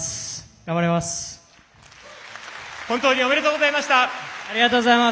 頑張ります。